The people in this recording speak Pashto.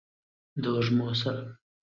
د وږمو سره